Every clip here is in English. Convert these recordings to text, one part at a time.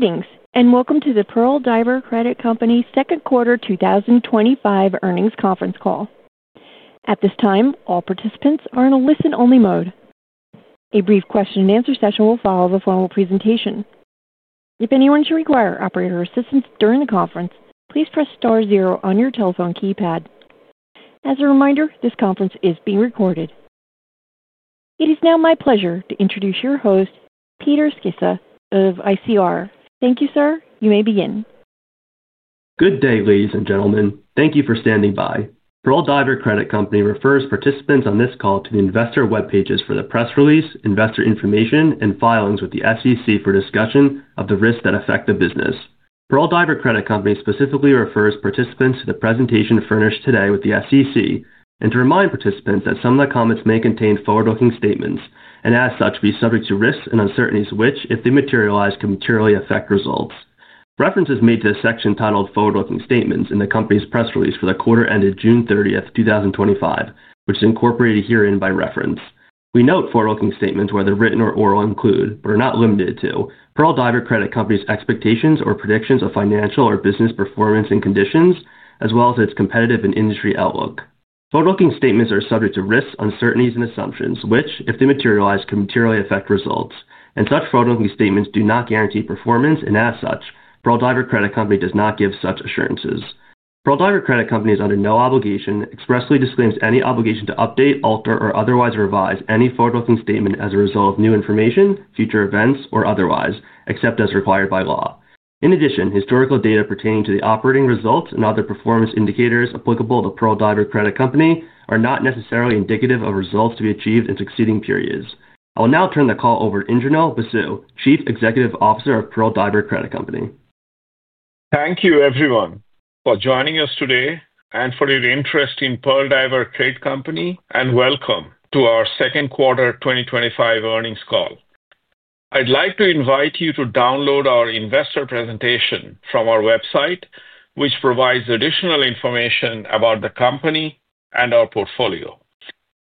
Greetings, and welcome to the Pearl Diver Credit Company's Second Quarter 2025 Earnings Conference Call. At this time, all participants are in a listen-only mode. A brief question and answer session will follow the formal presentation. If anyone should require operator assistance during the conference, please press star zero on your telephone keypad. As a reminder, this conference is being recorded. It is now my pleasure to introduce your host, Peter Sceusa of ICR. Thank you, sir. You may begin. Good day, ladies and gentlemen. Thank you for standing by. Pearl Diver Credit Company refers participants on this call to the investor web pages for the press release, investor information, and filings with the SEC for discussion of the risks that affect the business. Pearl Diver Credit Company specifically refers participants to the presentation furnished today with the SEC, and to remind participants that some of the comments may contain forward-looking statements, and as such be subject to risks and uncertainties which, if they materialize, can materially affect results. Reference is made to a section titled "Forward-Looking Statements" in the company's press release for the quarter ended June 30th, 2025, which is incorporated herein by reference. We note forward-looking statements, whether written or oral, include, but are not limited to, Pearl Diver Credit Company's expectations or predictions of financial or business performance and conditions, as well as its competitive and industry outlook. Forward-looking statements are subject to risks, uncertainties, and assumptions which, if they materialize, can materially affect results, and such forward-looking statements do not guarantee performance, and as such, Pearl Diver Credit Company does not give such assurances. Pearl Diver Credit Company is under no obligation, and expressly disclaims any obligation to update, alter, or otherwise revise any forward-looking statement as a result of new information, future events, or otherwise, except as required by law. In addition, historical data pertaining to the operating results and other performance indicators applicable to Pearl Diver Credit Company are not necessarily indicative of results to be achieved in succeeding periods. I will now turn the call over to Indranil Basu, Chief Executive Officer of Pearl Diver Credit Company. Thank you, everyone, for joining us today and for your interest in Pearl Diver Credit Company, and welcome to our second quarter 2025 earnings call. I'd like to invite you to download our investor presentation from our website, which provides additional information about the company and our portfolio.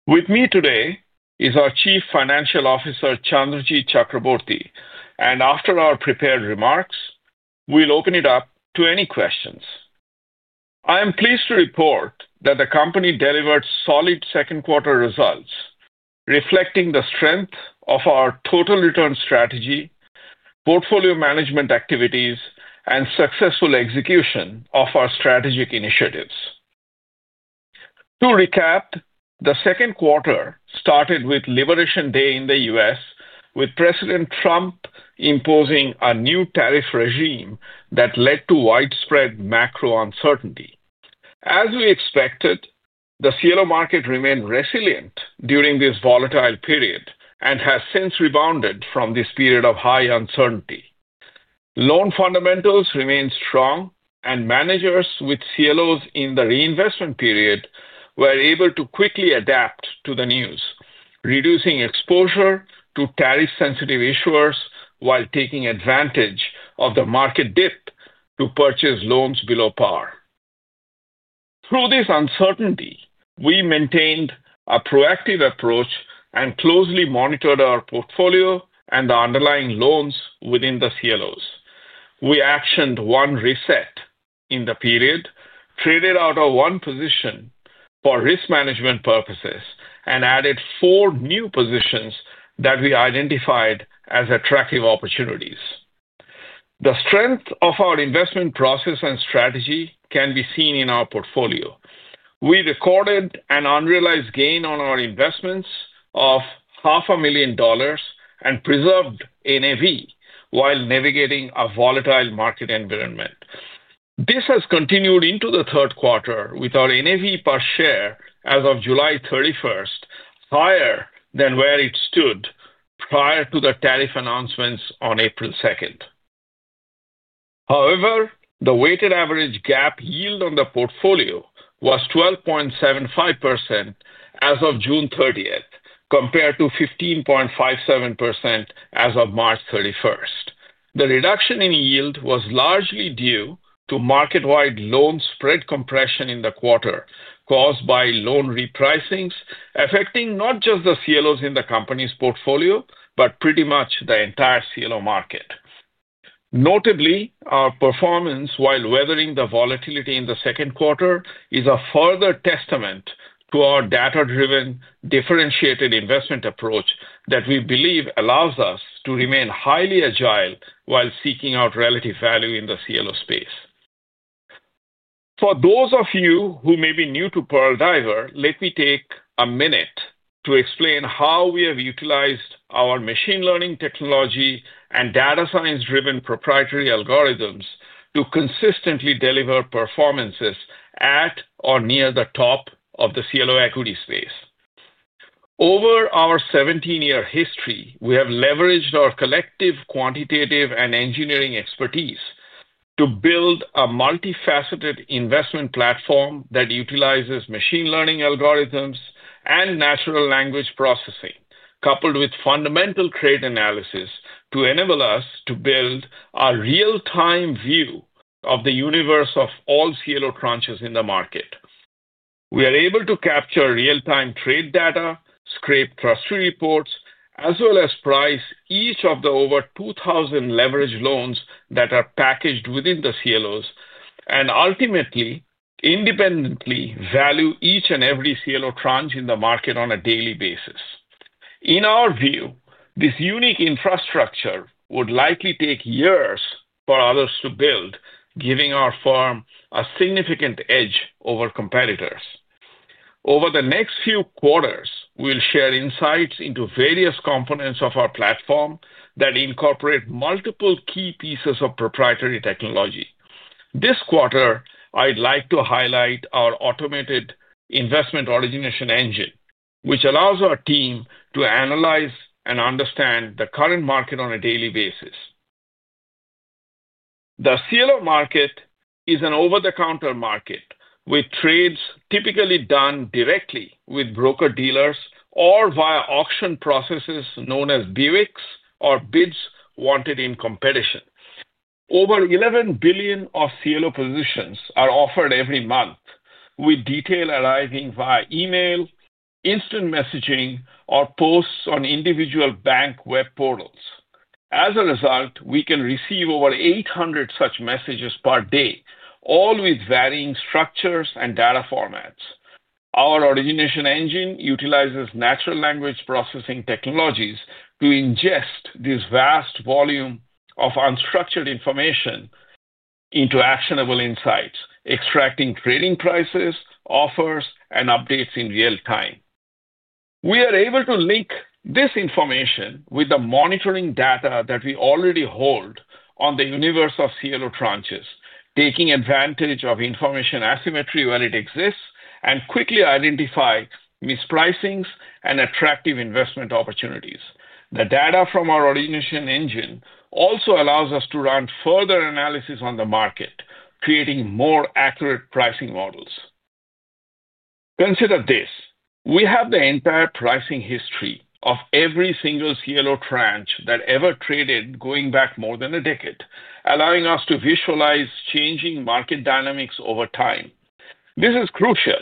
With me today is our Chief Financial Officer, Chandrajit Chakraborty, and after our prepared remarks, we'll open it up to any questions. I am pleased to report that the company delivered solid second quarter results, reflecting the strength of our total return strategy, portfolio management activities, and successful execution of our strategic initiatives. To recap, the second quarter started with Liberation Day in the U.S., with President Trump imposing a new tariff regime that led to widespread macro uncertainty. As we expected, the CLO market remained resilient during this volatile period and has since rebounded from this period of high uncertainty. Loan fundamentals remained strong, and managers with CLOs in the reinvestment period were able to quickly adapt to the news, reducing exposure to tariff-sensitive issuers while taking advantage of the market dip to purchase loans below par. Through this uncertainty, we maintained a proactive approach and closely monitored our portfolio and the underlying loans within the CLOs. We actioned one reset in the period, traded out of one position for risk management purposes, and added four new positions that we identified as attractive opportunities. The strength of our investment process and strategy can be seen in our portfolio. We recorded an unrealized gain on our investments of $0.5 million and preserved NAV while navigating a volatile market environment. This has continued into the third quarter, with our NAV per share as of July 31st higher than where it stood prior to the tariff announcements on April 2nd. However, the weighted average gap yield on the portfolio was 12.75% as of June 30th, compared to 15.57% as of March 31st. The reduction in yield was largely due to market-wide loan spread compression in the quarter, caused by loan repricings affecting not just the CLOs in the company's portfolio, but pretty much the entire CLO market. Notably, our performance while weathering the volatility in the second quarter is a further testament to our data-driven, differentiated investment approach that we believe allows us to remain highly agile while seeking out relative value in the CLO space. For those of you who may be new to Pearl Diver, let me take a minute to explain how we have utilized our machine learning technology and data science-driven proprietary algorithms to consistently deliver performances at or near the top of the CLO equity space. Over our 17-year history, we have leveraged our collective quantitative and engineering expertise to build a multifaceted investment platform that utilizes machine learning algorithms and natural language processing, coupled with fundamental trade analysis to enable us to build a real-time view of the universe of all CLO tranches in the market. We are able to capture real-time trade data, scrape trust reports, as well as price each of the over 2,000 leveraged loans that are packaged within the CLOs, and ultimately, independently value each and every CLO tranche in the market on a daily basis. In our view, this unique infrastructure would likely take years for others to build, giving our firm a significant edge over competitors. Over the next few quarters, we'll share insights into various components of our platform that incorporate multiple key pieces of proprietary technology. This quarter, I'd like to highlight our automated investment origination engine, which allows our team to analyze and understand the current market on a daily basis. The CLO market is an over-the-counter market, with trades typically done directly with broker-dealers or via auction processes known as BWICs or bids wanted in competition. Over $11 billion of CLO positions are offered every month, with detail arriving via email, instant messaging, or posts on individual bank web portals. As a result, we can receive over 800 such messages per day, all with varying structures and data formats. Our origination engine utilizes natural language processing technologies to ingest this vast volume of unstructured information into actionable insights, extracting trading prices, offers, and updates in real time. We are able to link this information with the monitoring data that we already hold on the universe of CLO tranches, taking advantage of information asymmetry where it exists and quickly identifying mispricings and attractive investment opportunities. The data from our origination engine also allows us to run further analysis on the market, creating more accurate pricing models. Consider this: we have the entire pricing history of every single CLO tranche that ever traded, going back more than a decade, allowing us to visualize changing market dynamics over time. This is crucial,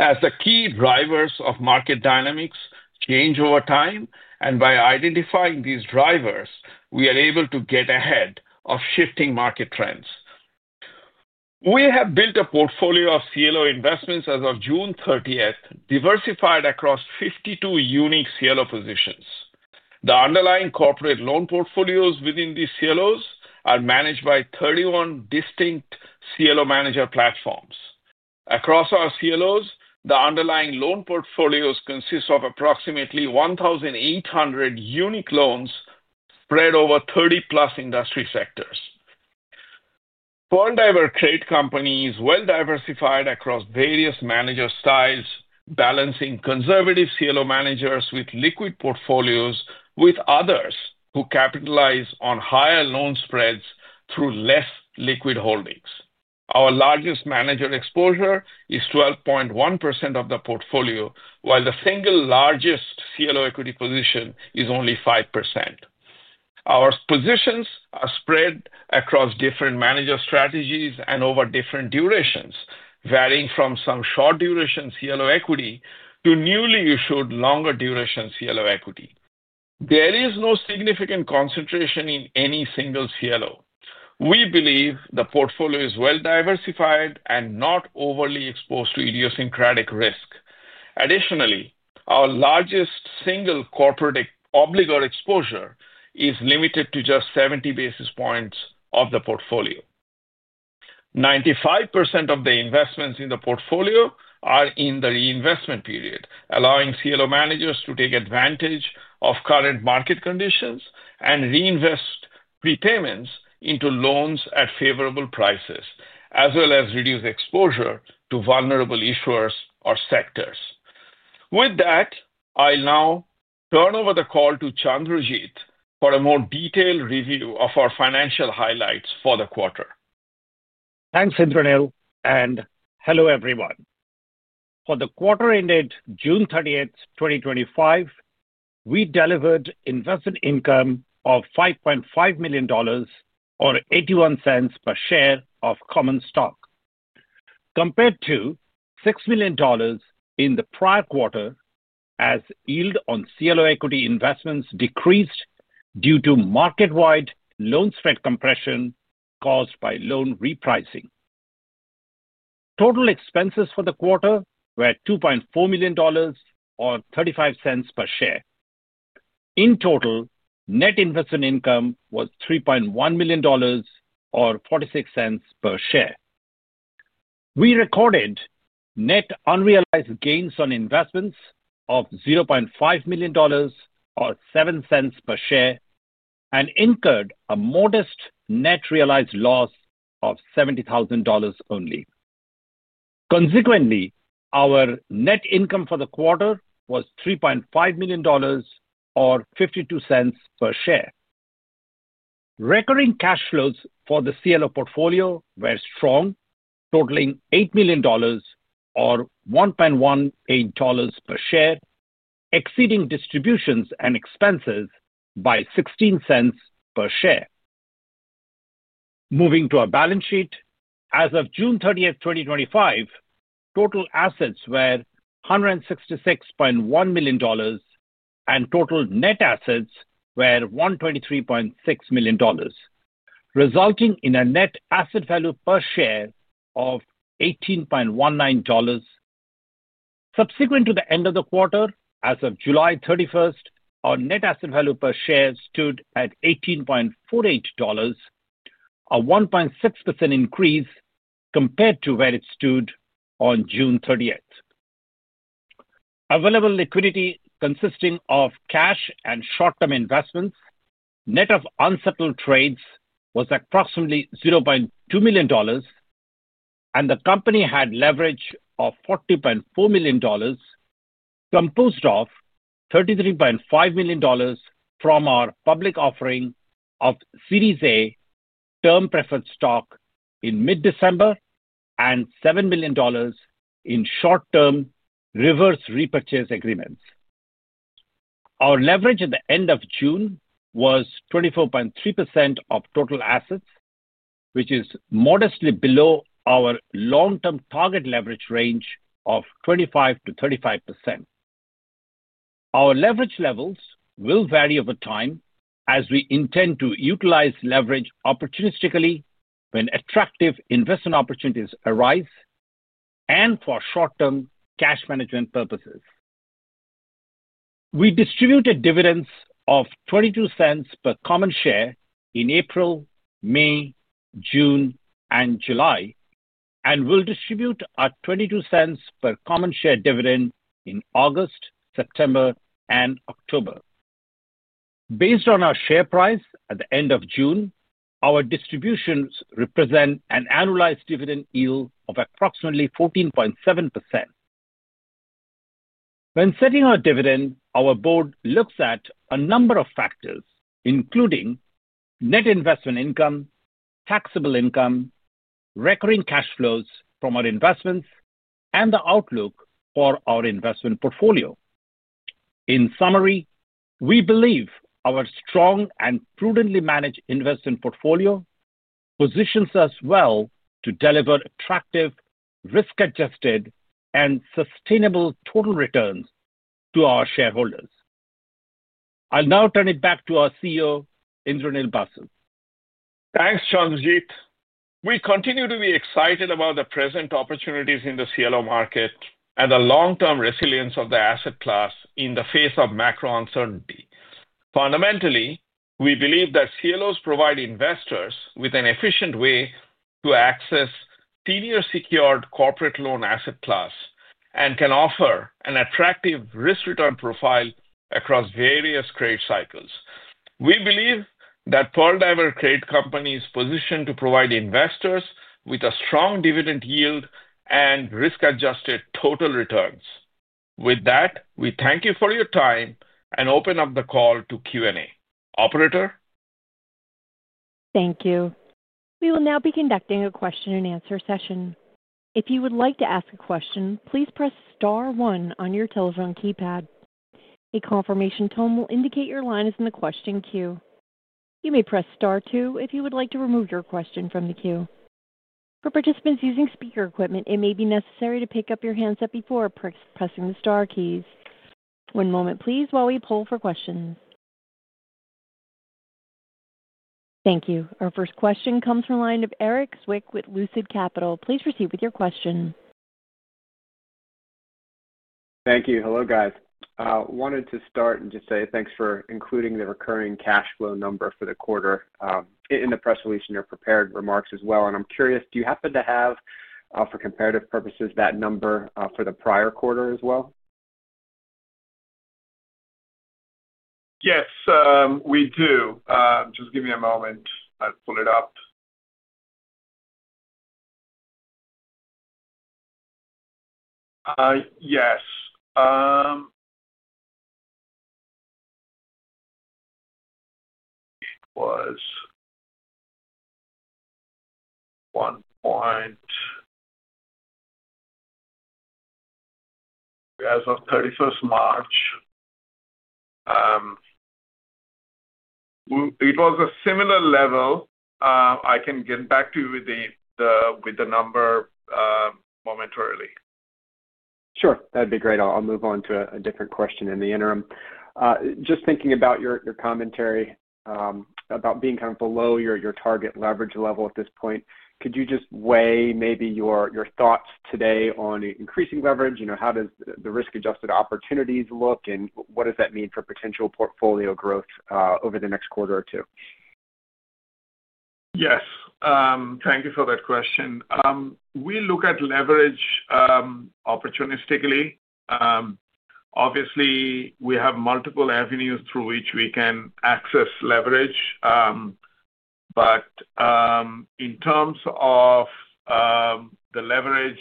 as the key drivers of market dynamics change over time, and by identifying these drivers, we are able to get ahead of shifting market trends. We have built a portfolio of CLO investments as of June 30th, diversified across 52 unique CLO positions. The underlying corporate loan portfolios within these CLOs are managed by 31 distinct CLO manager platforms. Across our CLOs, the underlying loan portfolios consist of approximately 1,800 unique loans spread over 30+ industry sectors. Pearl Diver Credit Company is well-diversified across various manager styles, balancing conservative CLO managers with liquid portfolios with others who capitalize on higher loan spreads through less liquid holdings. Our largest manager exposure is 12.1% of the portfolio, while the single largest CLO equity position is only 5%. Our positions are spread across different manager strategies and over different durations, varying from some short-duration CLO equity to newly issued longer-duration CLO equity. There is no significant concentration in any single CLO. We believe the portfolio is well-diversified and not overly exposed to idiosyncratic risk. Additionally, our largest single corporate obligor exposure is limited to just 70 basis points of the portfolio. 95% of the investments in the portfolio are in the reinvestment period, allowing CLO managers to take advantage of current market conditions and reinvest prepayments into loans at favorable prices, as well as reduce exposure to vulnerable issuers or sectors. With that, I'll now turn over the call to Chandrajit for a more detailed review of our financial highlights for the quarter. Thanks, Indranil, and hello, everyone. For the quarter ended June 30th, 2025, we delivered investment income of $5.5 million or $0.81 per share of common stock, compared to $6 million in the prior quarter, as yield on CLO equity investments decreased due to market-wide loan spread compression caused by loan repricing. Total expenses for the quarter were $2.4 million or $0.35 per share. In total, net investment income was $3.1 million or $0.46 per share. We recorded net unrealized gains on investments of $0.5 million or $0.07 per share and incurred a modest net realized loss of $70,000 only. Consequently, our net income for the quarter was $3.5 million or $0.52 per share. Recurring cash flows for the CLO portfolio were strong, totaling $8 million or $1.18 per share, exceeding distributions and expenses by $0.16 per share. Moving to our balance sheet, as of June 30th, 2025, total assets were $166.1 million and total net assets were $123.6 million, resulting in a net asset value per share of $18.19. Subsequent to the end of the quarter, as of July 31st, our net asset value per share stood at $18.48, a 1.6% increase compared to where it stood on June 30th. Available liquidity consisting of cash and short-term investments, net of unsettled trades, was approximately $0.2 million, and the company had leverage of $40.4 million, composed of $33.5 million from our public offering of Series A term-preferred stock in mid-December and $7 million in short-term reverse repurchase agreements. Our leverage at the end of June was 24.3% of total assets, which is modestly below our long-term target leverage range of 25%-35%. Our leverage levels will vary over time as we intend to utilize leverage opportunistically when attractive investment opportunities arise and for short-term cash management purposes. We distributed dividends of $0.22 per common share in April, May, June, and July, and will distribute our $0.22 per common share dividend in August, September, and October. Based on our share price at the end of June, our distributions represent an annualized dividend yield of approximately 14.7%. When setting our dividend, our board looks at a number of factors, including net investment income, taxable income, recurring cash flows from our investments, and the outlook for our investment portfolio. In summary, we believe our strong and prudently managed investment portfolio positions us well to deliver attractive, risk-adjusted, and sustainable total returns to our shareholders. I'll now turn it back to our CEO, Indranil Basu. Thanks, Chandrajit. We continue to be excited about the present opportunities in the CLO market and the long-term resilience of the asset class in the face of macro-economic uncertainty. Fundamentally, we believe that CLOs provide investors with an efficient way to access tenure-secured corporate loan asset class and can offer an attractive risk-return profile across various trade cycles. We believe that Pearl Diver Credit Company is positioned to provide investors with a strong dividend yield and risk-adjusted total returns. With that, we thank you for your time and open up the call to Q&A. Operator? Thank you. We will now be conducting a question and answer session. If you would like to ask a question, please press star one on your telephone keypad. A confirmation tone will indicate your line is in the question queue. You may press star two if you would like to remove your question from the queue. For participants using speaker equipment, it may be necessary to pick up your handset before pressing the star keys. One moment, please, while we pull for questions. Thank you. Our first question comes from a line of Erik Zwick with Lucid Capital. Please proceed with your question. Thank you. Hello, guys. I wanted to start and just say thanks for including the recurring cash flow number for the quarter in the press release in your prepared remarks as well. I'm curious, do you happen to have, for comparative purposes, that number for the prior quarter as well? Yes, we do. Just give me a moment. I'll pull it up. Yes, it was 1.0 as of March 31. It was a similar level. I can get back to you with the number momentarily. Sure. That'd be great. I'll move on to a different question in the interim. Just thinking about your commentary about being kind of below your target leverage level at this point, could you just weigh maybe your thoughts today on increasing leverage? You know, how does the risk-adjusted opportunities look, and what does that mean for potential portfolio growth over the next quarter or two? Yes. Thank you for that question. We look at leverage opportunistically. Obviously, we have multiple avenues through which we can access leverage. In terms of the leverage,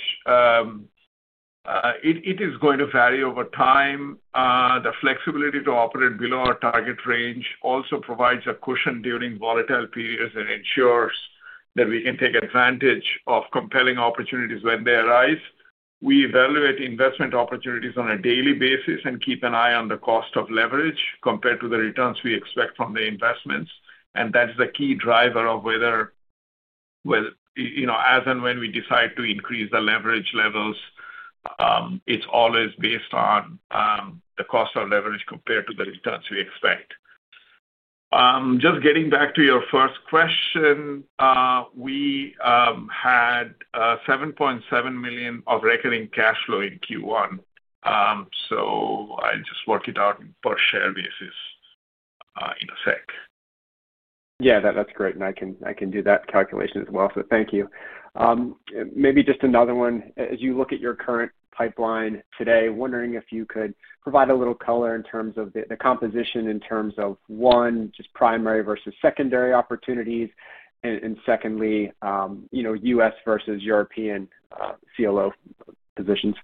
it is going to vary over time. The flexibility to operate below our target range also provides a cushion during volatile periods and ensures that we can take advantage of compelling opportunities when they arise. We evaluate investment opportunities on a daily basis and keep an eye on the cost of leverage compared to the returns we expect from the investments. That is a key driver of whether, you know, as and when we decide to increase the leverage levels, it's always based on the cost of leverage compared to the returns we expect. Just getting back to your first question, we had $7.7 million of recurring cash flow in Q1. I'll just work it out in per share basis in a sec. Yeah, that's great. I can do that calculation as well. Thank you. Maybe just another one. As you look at your current pipeline today, wondering if you could provide a little color in terms of the composition in terms of, one, just primary versus secondary opportunities, and secondly, you know, U.S. versus European CLO positions.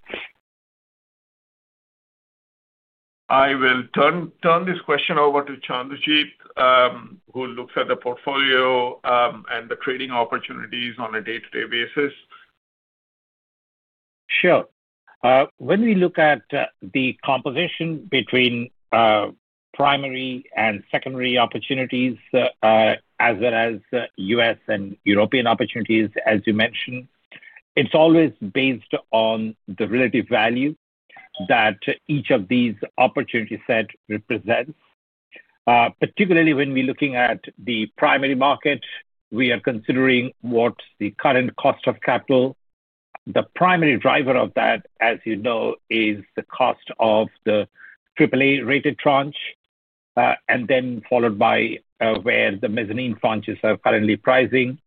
I will turn this question over to Chandraji, who looks at the portfolio and the trading opportunities on a day-to-day basis. Sure. When we look at the composition between primary and secondary opportunities, as well as U.S. and European opportunities, as you mentioned, it's always based on the relative value that each of these opportunity sets represents. Particularly when we're looking at the primary market, we are considering what the current cost of capital is. The primary driver of that, as you know, is the cost of the AAA-rated tranche, followed by where the mezzanine tranches are currently pricing.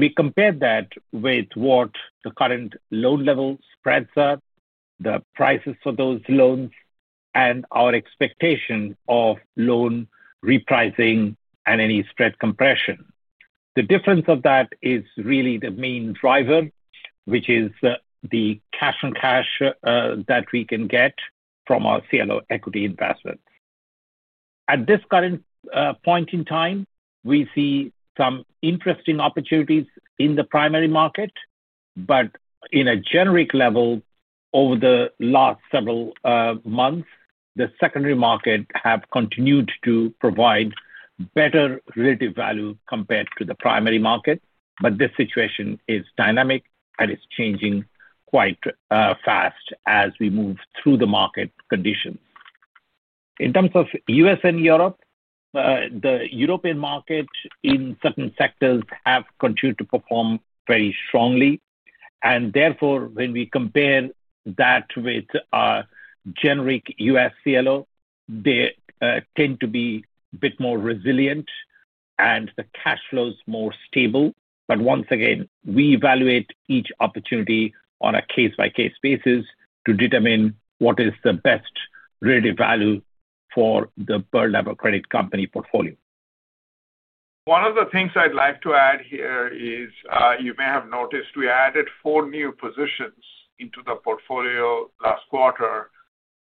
We compare that with what the current loan level spreads are, the prices for those loans, and our expectation of loan repricing and any spread compression. The difference is really the main driver, which is the cash on cash that we can get from our CLO equity investments. At this current point in time, we see some interesting opportunities in the primary market. In a generic level, over the last several months, the secondary market has continued to provide better relative value compared to the primary market. This situation is dynamic and is changing quite fast as we move through the market conditions. In terms of U.S. and Europe, the European market in certain sectors has continued to perform very strongly. Therefore, when we compare that with our generic U.S. CLO, they tend to be a bit more resilient and the cash flow is more stable. Once again, we evaluate each opportunity on a case-by-case basis to determine what is the best relative value for the Pearl Diver Credit Company portfolio. One of the things I'd like to add here is, you may have noticed, we added four new positions into the portfolio last quarter.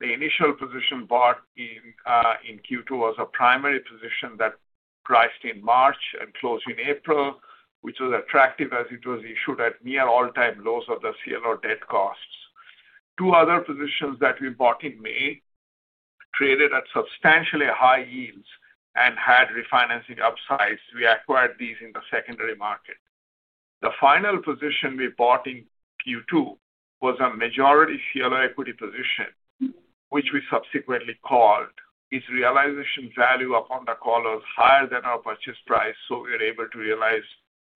The initial position bought in Q2 was a primary position that priced in March and closed in April, which was attractive as it was issued at near all-time lows of the CLO debt costs. Two other positions that we bought in May traded at substantially high yields and had refinancing upsides. We acquired these in the secondary market. The final position we bought in Q2 was a majority CLO equity position, which we subsequently called. Its realization value upon the call was higher than our purchase price, so we were able to realize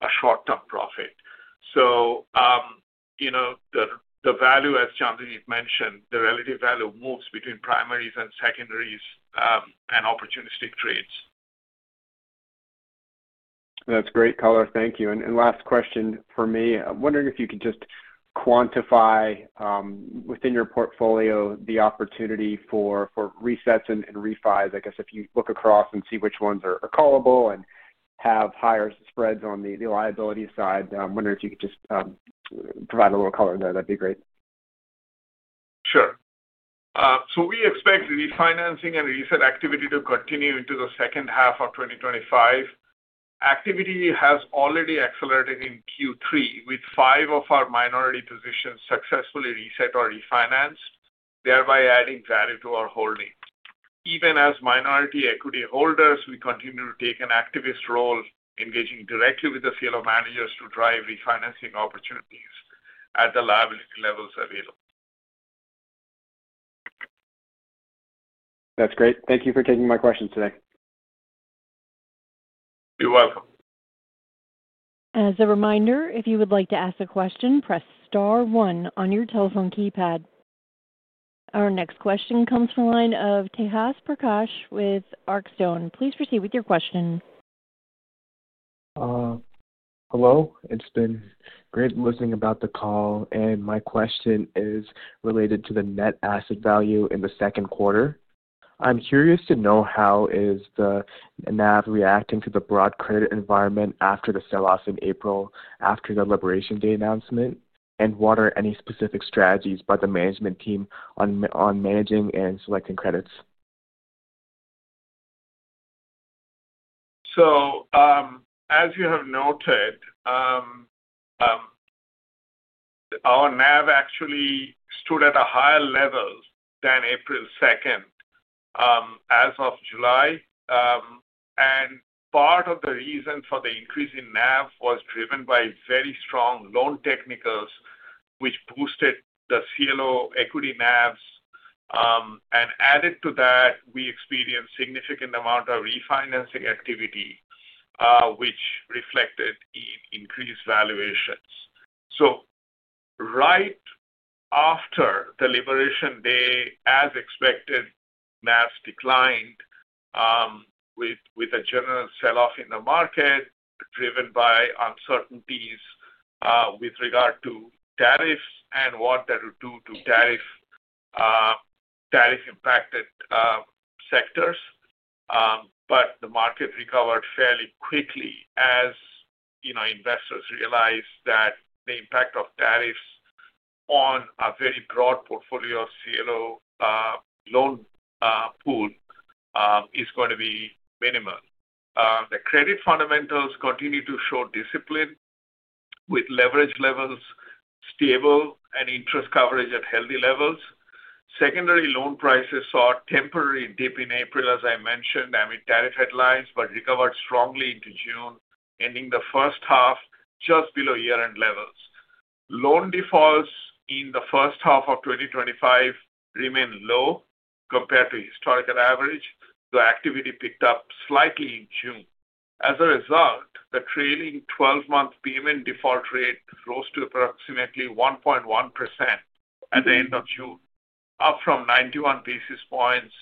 a short-term profit. The value, as Chandrajit mentioned, the relative value moves between primaries and secondaries and opportunistic trades. That's great color. Thank you. Last question for me. I'm wondering if you could just quantify within your portfolio the opportunity for resets and refis. I guess if you look across and see which ones are callable and have higher spreads on the liability side, I'm wondering if you could just provide a little color there. That'd be great. We expect refinancing and reset activity to continue into the second half of 2025. Activity has already accelerated in Q3, with five of our minority positions successfully reset or refinanced, thereby adding value to our holding. Even as minority equity holders, we continue to take an activist role, engaging directly with the CLO managers to drive refinancing opportunities at the liability levels available. That's great. Thank you for taking my questions today. You're welcome. As a reminder, if you would like to ask a question, press star one on your telephone keypad. Our next question comes from a line of Tejas Prakash with ArcStone. Please proceed with your question. Hello. It's been great listening about the call, and my question is related to the net asset value in the second quarter. I'm curious to know how is the NAV reacting to the broad credit environment after the sell-off in April after the Liberation Day announcement, and what are any specific strategies by the management team on managing and selecting credits? As you have noted, our NAV actually stood at a higher level than April 2nd as of July. Part of the reason for the increase in NAV was driven by very strong loan technicals, which boosted the CLO equity NAVs. Added to that, we experienced a significant amount of refinancing activity, which reflected in increased valuations. Right after the Liberation Day, as expected, NAVs declined with a general sell-off in the market driven by uncertainties with regard to tariffs and what that would do to tariff-impacted sectors. The market recovered fairly quickly as investors realized that the impact of tariffs on a very broad portfolio of CLO loan pool is going to be minimal. The credit fundamentals continue to show discipline with leverage levels stable and interest coverage at healthy levels. Secondary loan prices saw a temporary dip in April, as I mentioned, amid tariff headlines, but recovered strongly into June, ending the first half just below year-end levels. Loan defaults in the first half of 2025 remain low compared to historical average, though activity picked up slightly in June. As a result, the trailing 12-month payment default rate rose to approximately 1.1% at the end of June, up from 91 basis points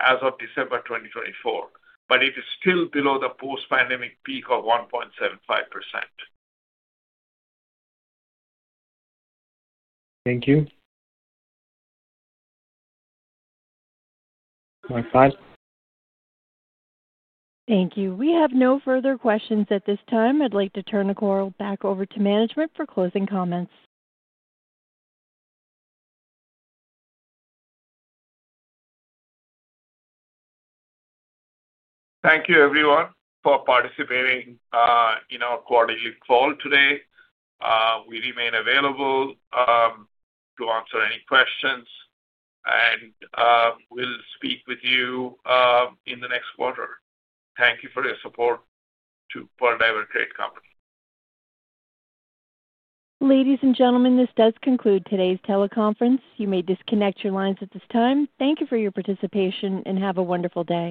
as of December 2024. It is still below the post-pandemic peak of 1.75%. Thank you. More slides. Thank you. We have no further questions at this time. I'd like to turn the call back over to management for closing comments. Thank you, everyone, for participating in our quarterly call today. We remain available to answer any questions, and we'll speak with you in the next quarter. Thank you for your support to Pearl Diver Credit Company. Ladies and gentlemen, this does conclude today's teleconference. You may disconnect your lines at this time. Thank you for your participation and have a wonderful day.